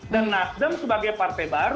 dan nasdem sebagai partai politik